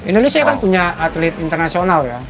indonesia kan punya atlet internasional ya